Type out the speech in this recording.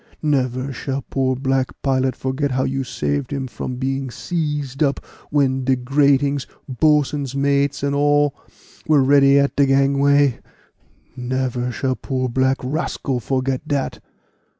Never shall poor black pilot forget how you saved him from being seized up, when de gratings, boatswain's mates, and all, were ready at de gangway never shall poor black rascal forget dat."